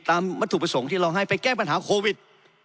วัตถุประสงค์ที่เราให้ไปแก้ปัญหาโควิด